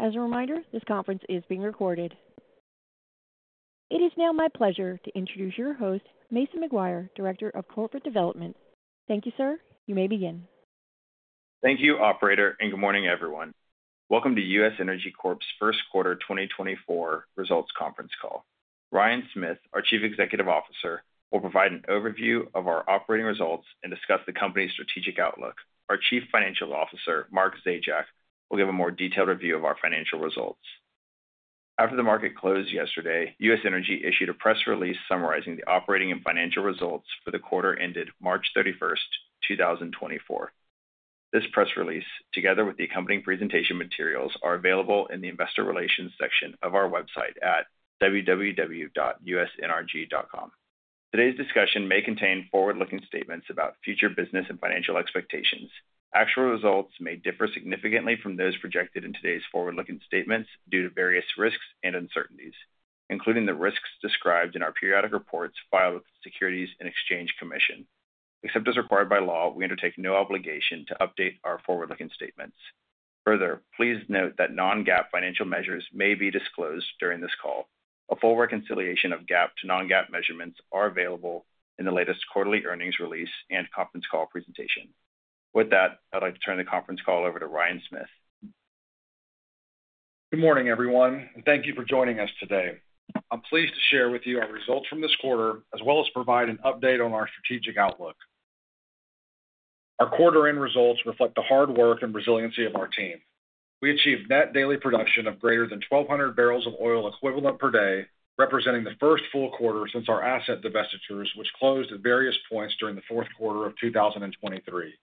As a reminder, this conference is being recorded. It is now my pleasure to introduce your host, Mason McGuire, Director of Corporate Development. Thank you, sir. You may begin. Thank you, operator, and good morning everyone. Welcome to U.S. Energy Corp.'s Q1 2024 results conference call. Ryan Smith, our Chief Executive Officer, will provide an overview of our operating results and discuss the company's strategic outlook. Our Chief Financial Officer, Mark Zajac, will give a more detailed review of our financial results. After the market closed yesterday, U.S. Energy issued a press release summarizing the operating and financial results for the quarter ended March 31, 2024. This press release, together with the accompanying presentation materials, are available in the investor relations section of our website at www.usnrg.com. Today's discussion may contain forward-looking statements about future business and financial expectations. Actual results may differ significantly from those projected in today's forward-looking statements due to various risks and uncertainties, including the risks described in our periodic reports filed with the Securities and Exchange Commission. Except as required by law, we undertake no obligation to update our forward-looking statements. Further, please note that non-GAAP financial measures may be disclosed during this call. A full reconciliation of GAAP to non-GAAP measurements are available in the latest quarterly earnings release and conference call presentation. With that, I'd like to turn the conference call over to Ryan Smith. Good morning, everyone, and thank you for joining us today. I'm pleased to share with you our results from this quarter, as well as provide an update on our strategic outlook. Our quarter end results reflect the hard work and resiliency of our team. We achieved net daily production of greater than 1,200 barrels of oil equivalent per day, representing the first full quarter since our asset divestitures, which closed at various points during the Q4 of 2023.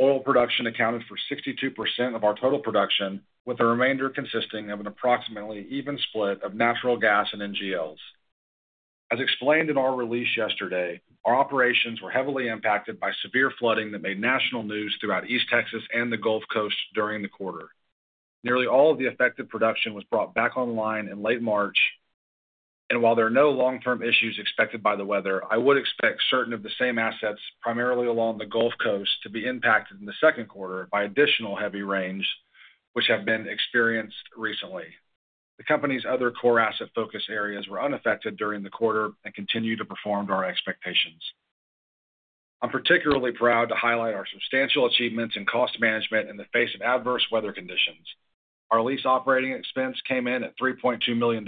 Oil production accounted for 62% of our total production, with the remainder consisting of an approximately even split of natural gas and NGLs. As explained in our release yesterday, our operations were heavily impacted by severe flooding that made national news throughout East Texas and the Gulf Coast during the quarter. Nearly all of the affected production was brought back online in late March, and while there are no long-term issues expected by the weather, I would expect certain of the same assets, primarily along the Gulf Coast, to be impacted in the Q2 by additional heavy rains, which have been experienced recently. The company's other core asset focus areas were unaffected during the quarter and continue to perform to our expectations. I'm particularly proud to highlight our substantial achievements in cost management in the face of adverse weather conditions. Our lease operating expense came in at $3.2 million,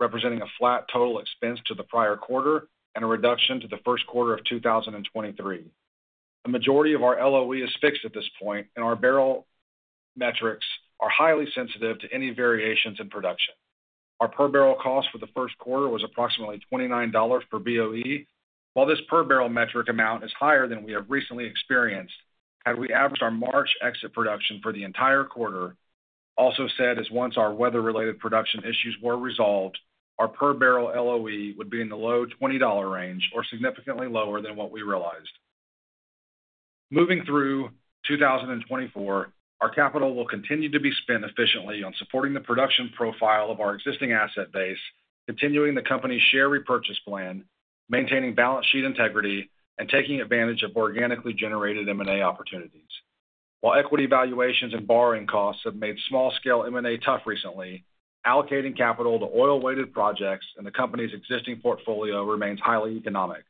representing a flat total expense to the prior quarter and a reduction to the Q1 of 2023. A majority of our LOE is fixed at this point, and our barrel metrics are highly sensitive to any variations in production. Our per barrel cost for the Q1 was approximately $29 per BOE. While this per barrel metric amount is higher than we have recently experienced, had we averaged our March exit production for the entire quarter, also said as once our weather-related production issues were resolved, our per barrel LOE would be in the low $20 range or significantly lower than what we realized. Moving through 2024, our capital will continue to be spent efficiently on supporting the production profile of our existing asset base, continuing the company's share repurchase plan, maintaining balance sheet integrity, and taking advantage of organically generated M&A opportunities. While equity valuations and borrowing costs have made small-scale M&A tough recently, allocating capital to oil-weighted projects and the company's existing portfolio remains highly economic.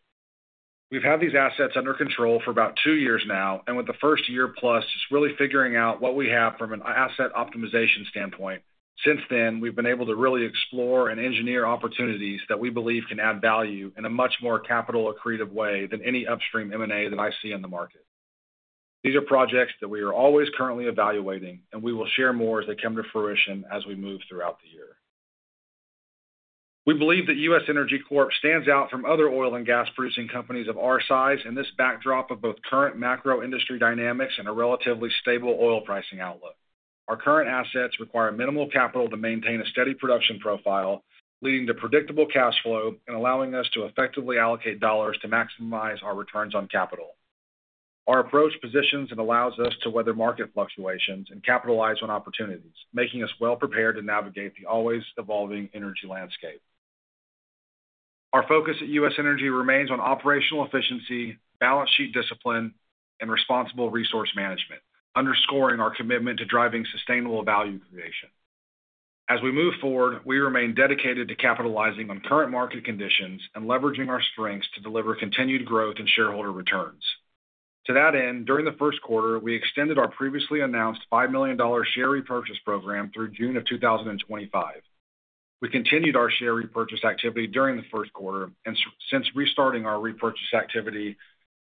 We've had these assets under control for about two years now, and with the first year plus, just really figuring out what we have from an asset optimization standpoint. Since then, we've been able to really explore and engineer opportunities that we believe can add value in a much more capital accretive way than any upstream M&A that I see in the market. These are projects that we are always currently evaluating, and we will share more as they come to fruition as we move throughout the year. We believe that U.S. Energy Corp. stands out from other oil and gas producing companies of our size in this backdrop of both current macro industry dynamics and a relatively stable oil pricing outlook. Our current assets require minimal capital to maintain a steady production profile, leading to predictable cash flow and allowing us to effectively allocate dollars to maximize our returns on capital. Our approach positions and allows us to weather market fluctuations and capitalize on opportunities, making us well prepared to navigate the always evolving energy landscape. Our focus at U.S. Energy remains on operational efficiency, balance sheet discipline, and responsible resource management, underscoring our commitment to driving sustainable value creation. As we move forward, we remain dedicated to capitalizing on current market conditions and leveraging our strengths to deliver continued growth in shareholder returns. To that end, during the Q1, we extended our previously announced $5 million share repurchase program through June 2025. We continued our share repurchase activity during the Q1, and since restarting our repurchase activity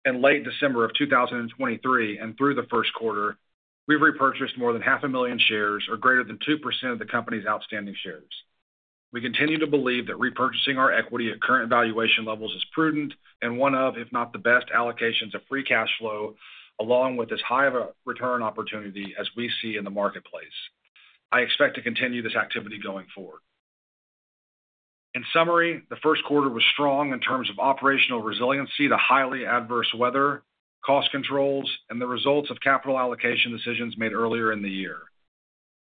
in late December of 2023 and through the Q1, we've repurchased more than 500,000 shares or greater than 2% of the company's outstanding shares. We continue to believe that repurchasing our equity at current valuation levels is prudent and one of, if not the best, allocations of free cash flow, along with as high of a return opportunity as we see in the marketplace. I expect to continue this activity going forward. In summary, the Q1 was strong in terms of operational resiliency to highly adverse weather, cost controls, and the results of capital allocation decisions made earlier in the year.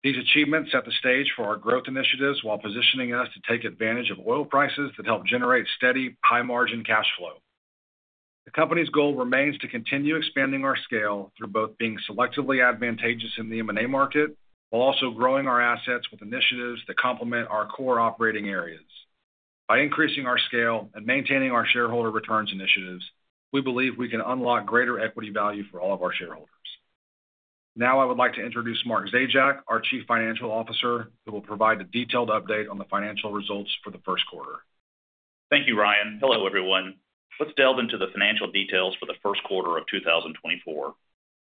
These achievements set the stage for our growth initiatives while positioning us to take advantage of oil prices that help generate steady, high-margin cash flow. The company's goal remains to continue expanding our scale through both being selectively advantageous in the M&A market, while also growing our assets with initiatives that complement our core operating areas. By increasing our scale and maintaining our shareholder returns initiatives, we believe we can unlock greater equity value for all of our shareholders. Now, I would like to introduce Mark Zajac, our Chief Financial Officer, who will provide a detailed update on the financial results for the Q1. Thank you, Ryan. Hello, everyone. Let's delve into the financial details for the Q1 of 2024.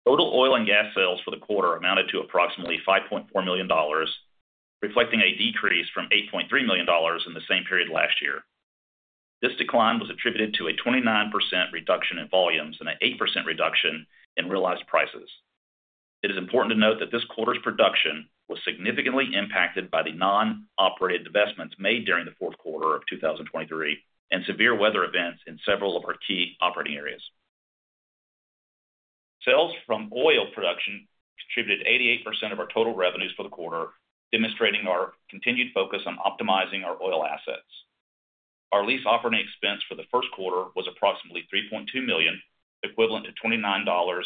Total oil and gas sales for the quarter amounted to approximately $5.4 million, reflecting a decrease from $8.3 million in the same period last year. This decline was attributed to a 29% reduction in volumes and an 8% reduction in realized prices. It is important to note that this quarter's production was significantly impacted by the non-operated investments made during the Q4 of 2023 and severe weather events in several of our key operating areas. Sales from oil production contributed 88% of our total revenues for the quarter, demonstrating our continued focus on optimizing our oil assets. Our Lease Operating Expense for the Q1 was approximately $3.2 million, equivalent to $29.02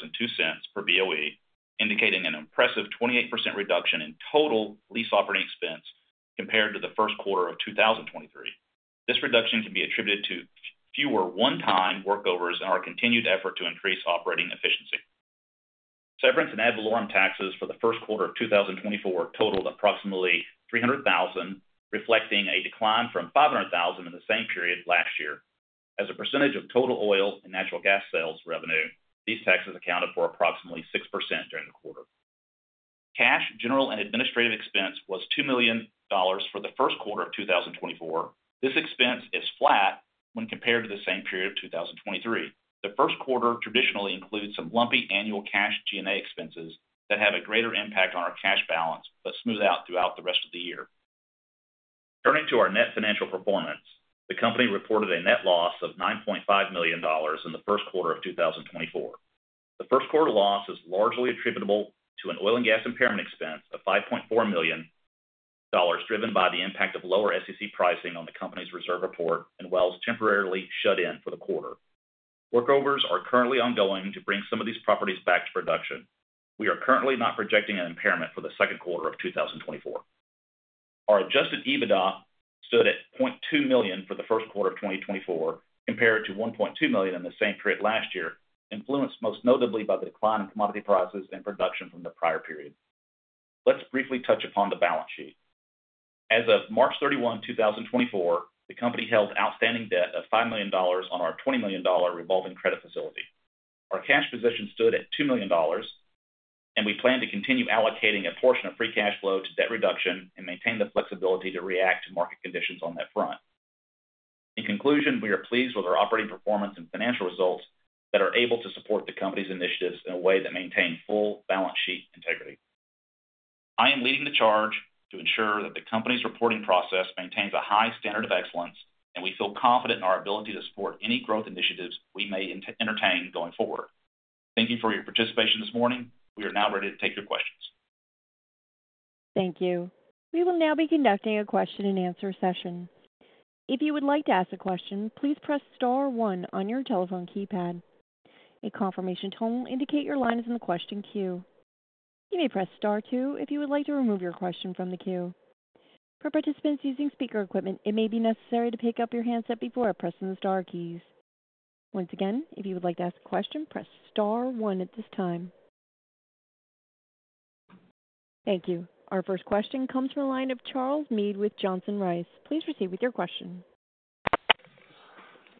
per BOE, indicating an impressive 28% reduction in total Lease Operating Expense compared to the Q1 of 2023. This reduction can be attributed to fewer one-time workovers and our continued effort to increase operating efficiency. Severance and Ad Valorem Taxes for the Q1 of 2024 totaled approximately $300,000, reflecting a decline from $500,000 in the same period last year. As a percentage of total oil and natural gas sales revenue, these taxes accounted for approximately 6% during the quarter. Cash, general, and administrative expense was $2 million for the Q1 of 2024. This expense is flat when compared to the same period of 2023. The Q1 traditionally includes some lumpy annual cash G&A expenses that have a greater impact on our cash balance, but smooth out throughout the rest of the year. Turning to our net financial performance, the company reported a net loss of $9.5 million in the Q1 of 2024. The Q1 loss is largely attributable to an oil and gas impairment expense of $5.4 million, driven by the impact of lower SEC pricing on the company's reserve report and wells temporarily shut in for the quarter. Workovers are currently ongoing to bring some of these properties back to production. We are currently not projecting an impairment for the Q2 of 2024. Our Adjusted EBITDA stood at $0.2 million for the Q1 of 2024, compared to $1.2 million in the same period last year, influenced most notably by the decline in commodity prices and production from the prior period. Let's briefly touch upon the balance sheet. As of March 31, 2024, the company held outstanding debt of $5 million on our $20 million revolving credit facility. Our cash position stood at $2 million, and we plan to continue allocating a portion of free cash flow to debt reduction and maintain the flexibility to react to market conditions on that front. In conclusion, we are pleased with our operating performance and financial results that are able to support the company's initiatives in a way that maintain full balance sheet integrity. I am leading the charge to ensure that the company's reporting process maintains a high standard of excellence, and we feel confident in our ability to support any growth initiatives we may entertain going forward. Thank you for your participation this morning. We are now ready to take your questions. Thank you. We will now be conducting a question-and-answer session. If you would like to ask a question, please press star one on your telephone keypad. A confirmation tone will indicate your line is in the question queue. You may press star two if you would like to remove your question from the queue. For participants using speaker equipment, it may be necessary to pick up your handset before pressing the star keys. Once again, if you would like to ask a question, press star one at this time. Thank you. Our first question comes from the line of Charles Meade with Johnson Rice. Please proceed with your question.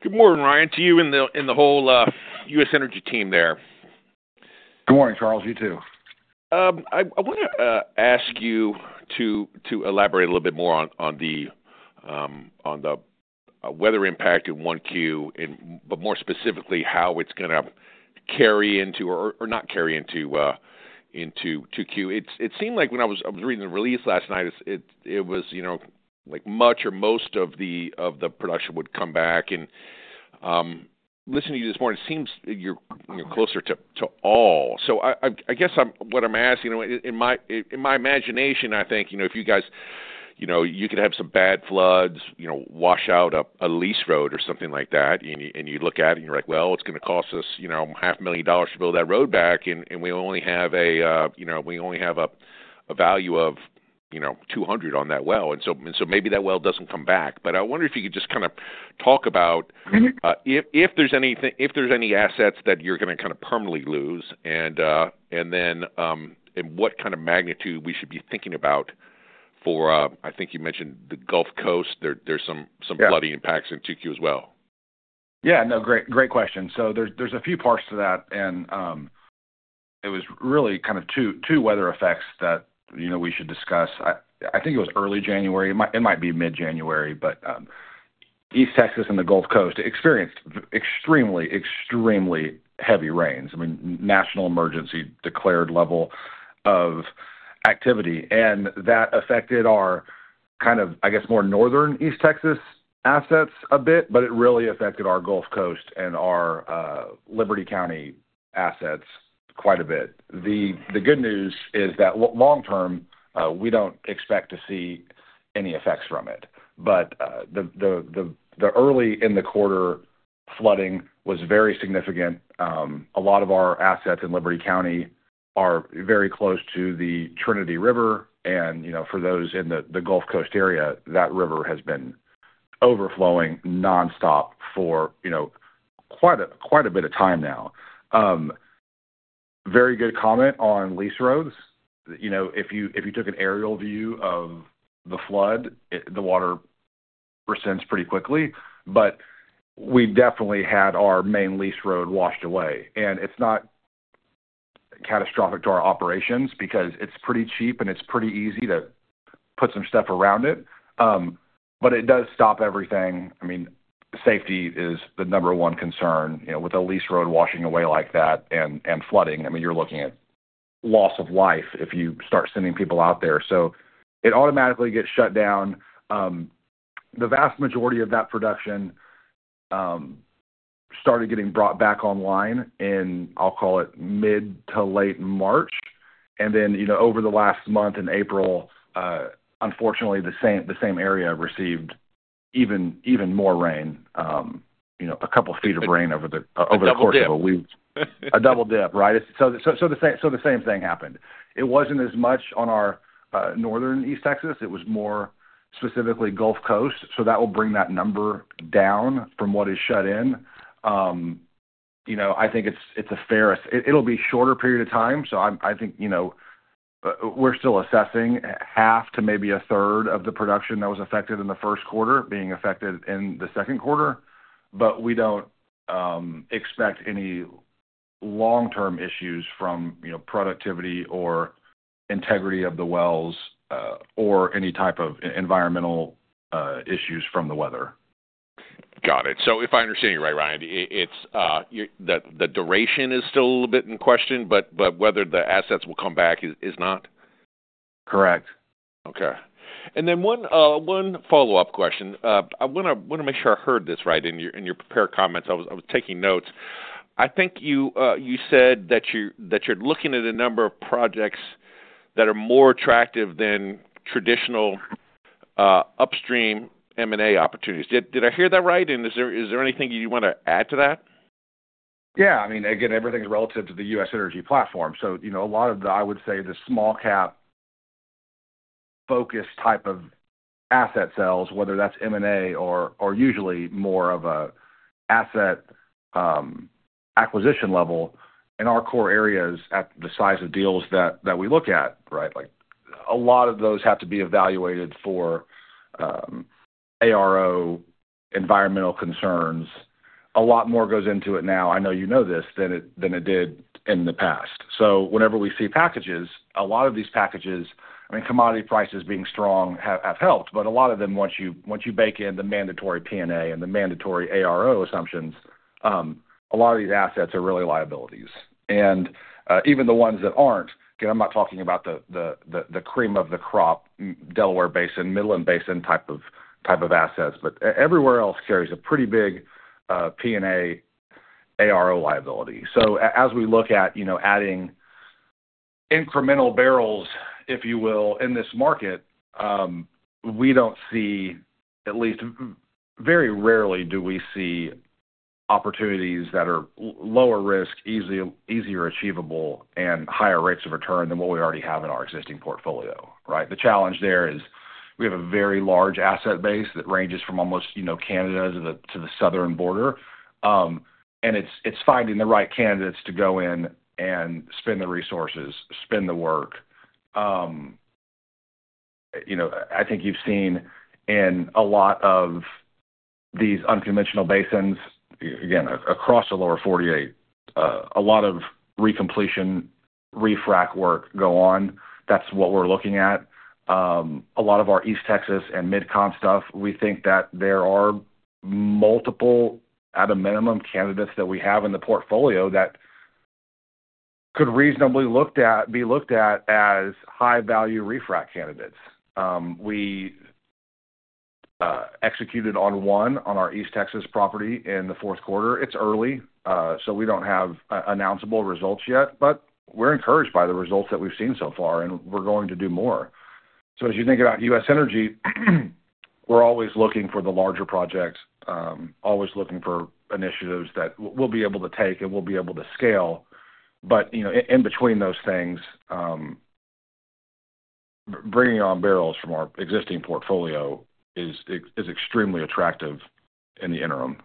Good morning, Ryan, to you and the whole U.S. Energy team there. Good morning, Charles. You too. I wanna ask you to elaborate a little bit more on the weather impact in 1Q, and but more specifically, how it's gonna carry into or not carry into 2Q. It seemed like when I was reading the release last night, it was, you know, like much or most of the production would come back. And listening to you this morning, it seems you're closer to all. So I guess I'm what I'm asking, in my imagination, I think, you know, if you guys, you know, you could have some bad floods, you know, wash out a lease road or something like that, and you look at it and you're like: Well, it's gonna cost us, you know, $500,000 to build that road back, and we only have a value of, you know, 200 on that well, and so maybe that well doesn't come back. But I wonder if you could just kind of talk about if there's anything—if there's any assets that you're gonna kind of permanently lose and, and then, and what kind of magnitude we should be thinking about for. I think you mentioned the Gulf Coast. There, there's some- Yeah... some bloody impacts in 2Q as well. Yeah. No, great, great question. So there's a few parts to that, and it was really kind of two weather effects that, you know, we should discuss. I think it was early January. It might be mid-January, but East Texas and the Gulf Coast experienced extremely, extremely heavy rains. I mean, national emergency declared level of activity. And that affected our, kind of, I guess, more northern East Texas assets a bit, but it really affected our Gulf Coast and our Liberty County assets quite a bit. The good news is that long term, we don't expect to see any effects from it. But the early in the quarter flooding was very significant. A lot of our assets in Liberty County are very close to the Trinity River, and, you know, for those in the, the Gulf Coast area, that river has been overflowing nonstop for, you know, quite a, quite a bit of time now. Very good comment on lease roads. You know, if you, if you took an aerial view of the flood, it, the water recedes pretty quickly. But we definitely had our main lease road washed away, and it's not catastrophic to our operations because it's pretty cheap, and it's pretty easy to put some stuff around it. But it does stop everything. I mean, safety is the number one concern. You know, with a lease road washing away like that and, and flooding, I mean, you're looking at loss of life if you start sending people out there. So it automatically gets shut down. The vast majority of that production started getting brought back online in, I'll call it, mid to late March. And then, you know, over the last month in April, unfortunately, the same area received even more rain, you know, a couple feet of rain over the- A double dip -over the course of a week. A double dip, right? So the same thing happened. It wasn't as much on our northern East Texas. It was more specifically Gulf Coast, so that will bring that number down from what is shut in. You know, I think it's a fair... It'll be a shorter period of time, so I think, you know, we're still assessing half to maybe a third of the production that was affected in the Q1 being affected in the Q2. But we don't expect any long-term issues from, you know, productivity or integrity of the wells, or any type of environmental issues from the weather. Got it. So if I understand you right, Ryan, it's the duration is still a little bit in question, but whether the assets will come back is not? Correct. Okay. And then one follow-up question. I wanna make sure I heard this right in your prepared comments. I was taking notes. I think you said that you're looking at a number of projects that are more attractive than traditional upstream M&A opportunities. Did I hear that right? And is there anything you want to add to that? Yeah, I mean, again, everything's relative to the U.S. Energy platform. So, you know, a lot of the, I would say, the small cap focus type of asset sales, whether that's M&A or, or usually more of a asset acquisition level in our core areas at the size of deals that, that we look at, right? Like, a lot of those have to be evaluated for ARO, environmental concerns. A lot more goes into it now, I know you know this, than it, than it did in the past. So whenever we see packages, a lot of these packages, I mean, commodity prices being strong have, have helped, but a lot of them, once you, once you bake in the mandatory P&A and the mandatory ARO assumptions, a lot of these assets are really liabilities. Even the ones that aren't, again, I'm not talking about the cream of the crop, Delaware Basin, Midland Basin type of assets, but everywhere else carries a pretty big P&A, ARO liability. So as we look at, you know, adding incremental barrels, if you will, in this market, we don't see, at least, very rarely do we see opportunities that are lower risk, easier achievable and higher rates of return than what we already have in our existing portfolio, right? The challenge there is we have a very large asset base that ranges from almost, you know, Canada to the southern border. And it's finding the right candidates to go in and spend the resources, spend the work. You know, I think you've seen in a lot of these unconventional basins, again, across the lower 48, a lot of recompletion, refrac work go on. That's what we're looking at. A lot of our East Texas and Mid-Con stuff, we think that there are multiple, at a minimum, candidates that we have in the portfolio that could reasonably be looked at as high-value refrac candidates. We executed on one on our East Texas property in the Q4. It's early, so we don't have announceable results yet, but we're encouraged by the results that we've seen so far, and we're going to do more. So as you think about U.S. Energy, we're always looking for the larger projects, always looking for initiatives that we'll be able to take and we'll be able to scale. But, you know, in between those things, bringing on barrels from our existing portfolio is extremely attractive in the interim.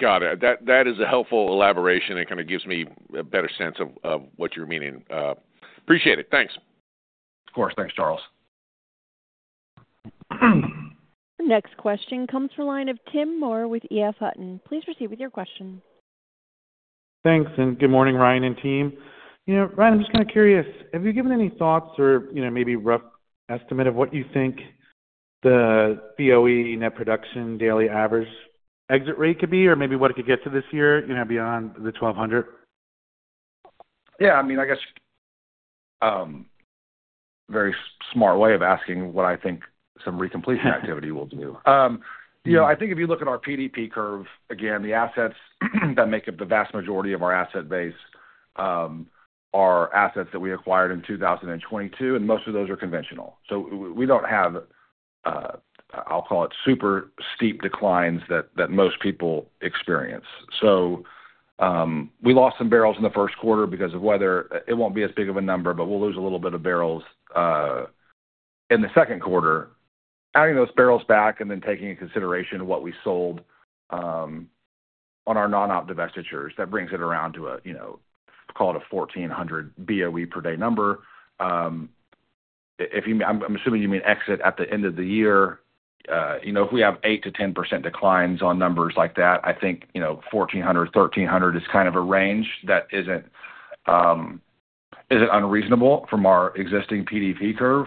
Got it. That, that is a helpful elaboration and kind of gives me a better sense of, of what you're meaning. Appreciate it. Thanks. Of course. Thanks, Charles. Next question comes from line of Tim Moore with EF Hutton. Please proceed with your question. Thanks, and good morning, Ryan and team. You know, Ryan, I'm just kind of curious, have you given any thoughts or, you know, maybe rough estimate of what you think the BOE net production daily average exit rate could be, or maybe what it could get to this year, you know, beyond the 1,200? Yeah, I mean, very smart way of asking what I think some recompletion activity will do. You know, I think if you look at our PDP curve, again, the assets that make up the vast majority of our asset base are assets that we acquired in 2022, and most of those are conventional. So we don't have, I'll call it super steep declines that most people experience. So, we lost some barrels in the Q1 because of weather. It won't be as big of a number, but we'll lose a little bit of barrels in the Q2. Adding those barrels back and then taking into consideration what we sold on our non-op divestitures, that brings it around to a, you know, call it a 1,400 BOE per day number. I'm assuming you mean exit at the end of the year, you know, if we have 8%-10% declines on numbers like that, I think, you know, 1,400-1,300 is kind of a range that isn't unreasonable from our existing PDP curve.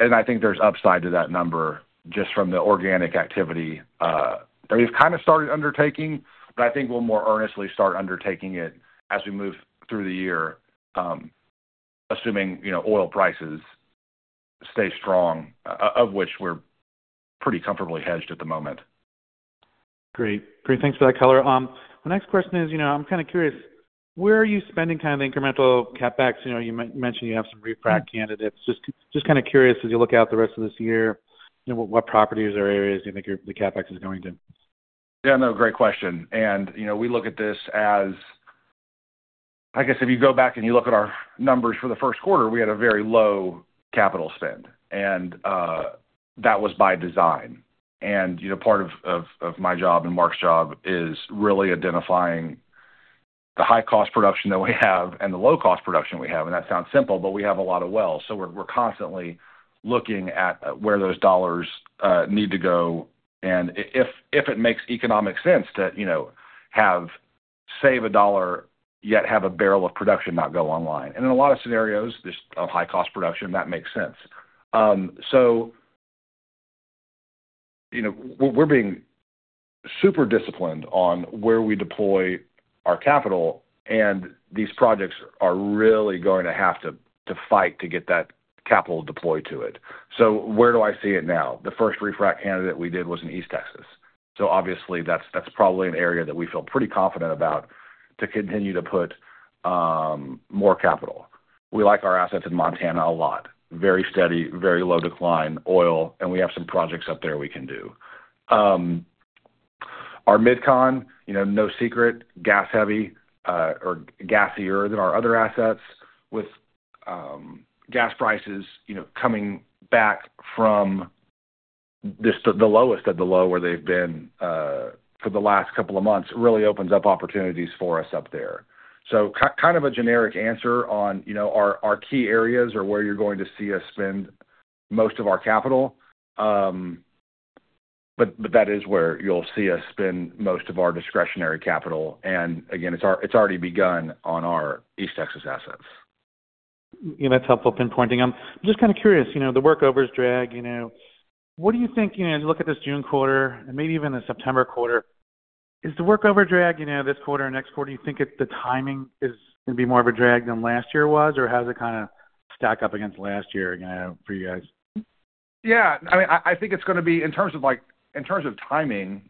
I think there's upside to that number just from the organic activity that we've kind of started undertaking, but I think we'll more earnestly start undertaking it as we move through the year, assuming, you know, oil prices stay strong, of which we're pretty comfortably hedged at the moment. Great. Great, thanks for that color. The next question is, you know, I'm kind of curious, where are you spending kind of the incremental CapEx? You know, you mentioned you have some refrac candidates. Just kind of curious, as you look out the rest of this year, you know, what properties or areas do you think the CapEx is going to? Yeah, no, great question. And, you know, we look at this as... I guess if you go back and you look at our numbers for the Q1, we had a very low capital spend, and that was by design. And, you know, part of my job and Mark's job is really identifying the high-cost production that we have and the low-cost production we have. And that sounds simple, but we have a lot of wells, so we're constantly looking at where those dollars need to go, and if it makes economic sense to, you know, save a dollar, yet have a barrel of production not go online. And in a lot of scenarios, just on high-cost production, that makes sense. So, you know, we're being super disciplined on where we deploy our capital, and these projects are really going to have to fight to get that capital deployed to it. So where do I see it now? The first refrac candidate we did was in East Texas. So obviously, that's probably an area that we feel pretty confident about to continue to put more capital. We like our assets in Montana a lot. Very steady, very low decline oil, and we have some projects up there we can do. Our Mid-Con, you know, no secret, gas-heavy, or gasier than our other assets with gas prices, you know, coming back from just the lowest of the low where they've been for the last couple of months, really opens up opportunities for us up there. So kind of a generic answer on, you know, our key areas or where you're going to see us spend most of our capital. But that is where you'll see us spend most of our discretionary capital, and again, it's already begun on our East Texas assets. Yeah, that's helpful pinpointing. I'm just kind of curious, you know, the workovers drag, you know, what do you think, you know, as you look at this June quarter and maybe even the September quarter, is the workover drag, you know, this quarter and next quarter, you think it, the timing is gonna be more of a drag than last year was? Or how does it kind of stack up against last year, you know, for you guys? Yeah. I mean, I think it's gonna be, in terms of like, in terms of timing,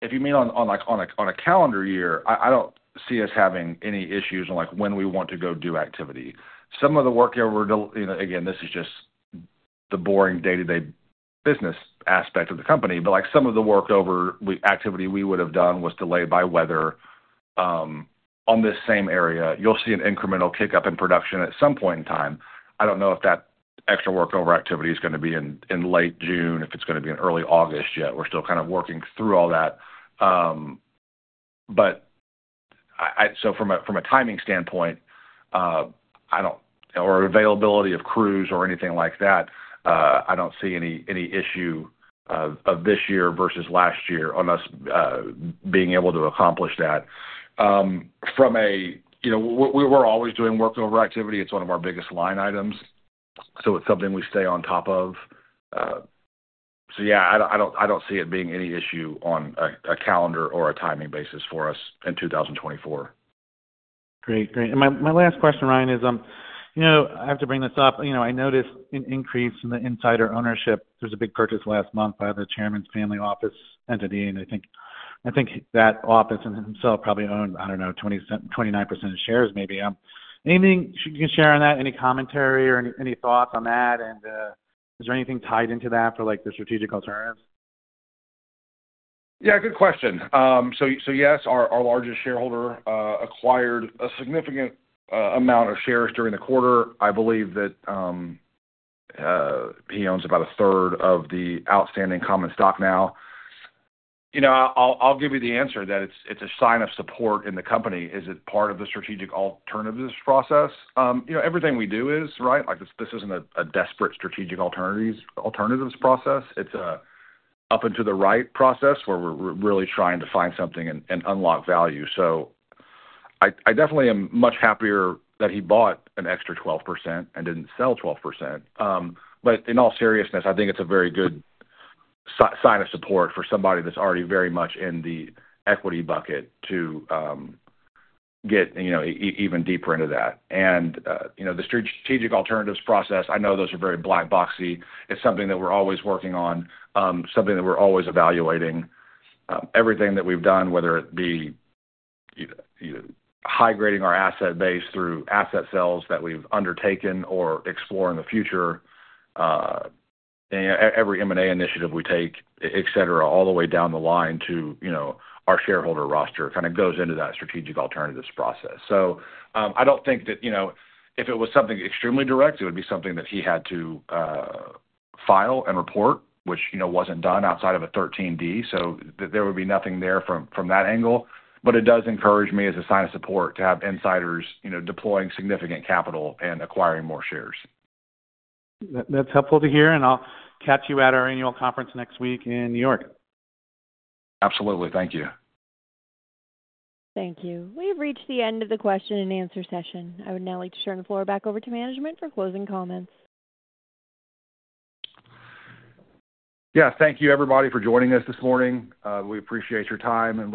if you mean on a calendar year, I don't see us having any issues on, like, when we want to go do activity. Some of the workover, you know, again, this is just the boring day-to-day business aspect of the company, but, like, some of the workover activity we would have done was delayed by weather, on this same area. You'll see an incremental kick-up in production at some point in time. I don't know if that extra workover activity is gonna be in late June, if it's gonna be in early August yet. We're still kind of working through all that. But so from a timing standpoint, I don't... Or availability of crews or anything like that, I don't see any issue of this year versus last year on us being able to accomplish that. From a, you know, we're always doing workover activity. It's one of our biggest line items, so it's something we stay on top of. So yeah, I don't see it being any issue on a calendar or a timing basis for us in 2024. Great. Great. And my, my last question, Ryan, is, you know, I have to bring this up. You know, I noticed an increase in the insider ownership. There was a big purchase last month by the chairman's family office entity, and I think, I think the officer himself probably owned, I don't know, 29% of shares maybe. Anything you can share on that, any commentary or any, any thoughts on that? And, is there anything tied into that for, like, the strategic alternatives? Yeah, good question. So, yes, our largest shareholder acquired a significant amount of shares during the quarter. I believe that he owns about a third of the outstanding common stock now. You know, I'll give you the answer, that it's a sign of support in the company. Is it part of the strategic alternatives process? You know, everything we do is, right? Like, this isn't a desperate strategic alternatives process. It's a up and to the right process, where we're really trying to find something and unlock value. So I definitely am much happier that he bought an extra 12% and didn't sell 12%. But in all seriousness, I think it's a very good sign of support for somebody that's already very much in the equity bucket to, you know, get even deeper into that. And, you know, the strategic alternatives process, I know those are very black boxy. It's something that we're always working on, something that we're always evaluating. Everything that we've done, whether it be high-grading our asset base through asset sales that we've undertaken or explore in the future, every M&A initiative we take, et cetera, all the way down the line to, you know, our shareholder roster, kind of goes into that strategic alternatives process. So, I don't think that, you know, if it was something extremely direct, it would be something that he had to file and report, which, you know, wasn't done outside of a 13D. So there would be nothing there from that angle, but it does encourage me as a sign of support to have insiders, you know, deploying significant capital and acquiring more shares. That's helpful to hear, and I'll catch you at our annual conference next week in New York. Absolutely. Thank you. Thank you. We have reached the end of the question and answer session. I would now like to turn the floor back over to management for closing comments. Yeah. Thank you, everybody, for joining us this morning. We appreciate your time and looking-